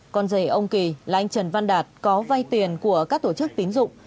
con rể ông kỳ là anh trần văn đạt có vay tiền của các tổ chức tín dụng